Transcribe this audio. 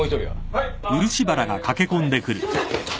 はい！